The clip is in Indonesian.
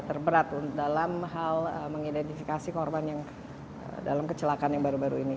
terberat dalam hal mengidentifikasi korban yang dalam kecelakaan yang baru baru ini